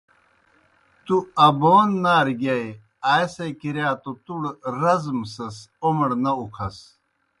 تُوْ ابون نارہ گِیائے آئے سے کِرِیا توْ تُوْڑ رزمسَس اومڑ نہ اُکھس۔